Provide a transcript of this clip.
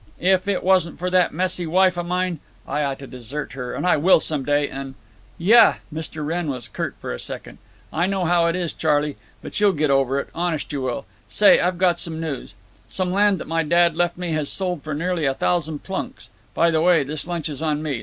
If it wasn't for that messy wife of mine—I ought to desert her, and I will some day, and—" "Yuh." Mr. Wrenn was curt for a second…. "I know how it is, Charley. But you'll get over it, honest you will. Say, I've got some news. Some land that my dad left me has sold for nearly a thousand plunks. By the way, this lunch is on me.